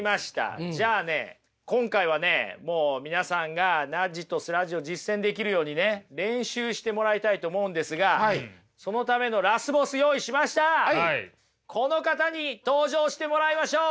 じゃあね今回はねもう皆さんがナッジとスラッジを実践できるようにね練習してもらいたいと思うんですがそのためのこの方に登場してもらいましょう。